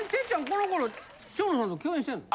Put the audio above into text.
この頃蝶野さんと共演してんの？